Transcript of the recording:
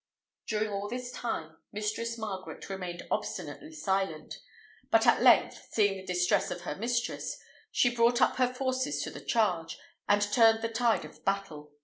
During all this time Mistress Margaret remained obstinately silent; but at length, seeing the distress of her mistress, she brought up her forces to the charge, and turned the tide of battle.